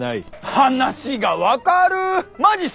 話が分かるゥッ！